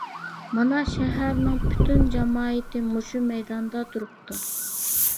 مانا، شەھەرنىڭ پۈتۈن جامائىتى مۇشۇ مەيداندا تۇرۇپتۇ.